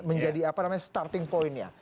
menjadi apa namanya starting point ya